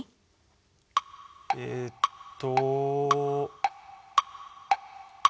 えっと。